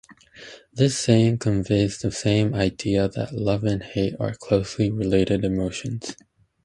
This saying conveys the same idea that love and hate are closely related emotions.